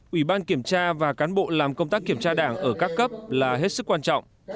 ủy ban kiểm tra và cán bộ làm công tác kiểm tra đảng ở các cấp là hết sức quan trọng